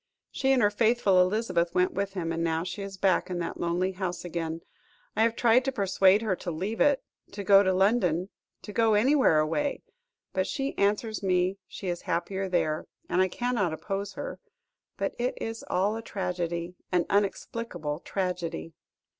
She and her faithful Elizabeth went with him, and now she is back in that lonely house again. I have tried to persuade her to leave it to go to London to go anywhere away but she answers me she is happier there, and I cannot oppose her. But it is all a tragedy, an inexplicable tragedy."